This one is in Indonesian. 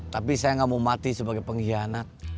tapi saya gak mau mati sebagai pengkhianat